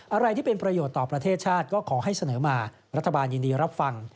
อะไรที่เป็นประโยชน์ต่อประเทศชาติก็ขอให้เสนอมารัฐบาลยินดีรับฟัง